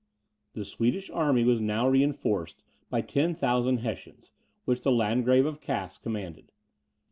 The Swedish army was now reinforced by ten thousand Hessians, which the Landgrave of Casse commanded.